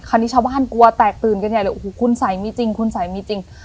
คราวนี้ชาวบ้านกลัวแตกตื่นกันใหญ่เลยโอ้โหคุณสัยมีจริงคุณสัยมีจริง